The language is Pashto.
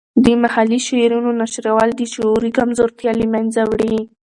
د محلي شعرونو نشرول د شعوري کمزورتیا له منځه وړي.